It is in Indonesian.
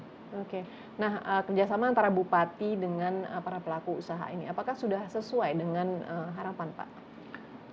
oke nah kerjasama antara bupati dengan para pelaku usaha ini apakah sudah sesuai dengan harapan pak